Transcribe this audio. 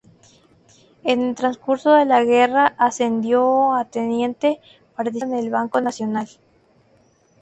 En el transcurso de la guerra, ascendió a teniente, participando con el bando nacional.